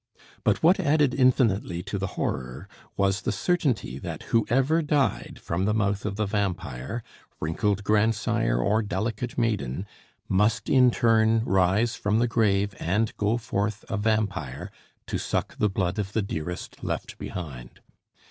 But what added infinitely to the horror was the certainty that whoever died from the mouth of the vampire, wrinkled grandsire or delicate maiden, must in turn rise from the grave, and go forth a vampire, to suck the blood of the dearest left behind.